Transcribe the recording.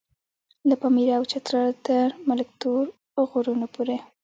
له پاميره او چتراله تر ملک تور غرونو پورې.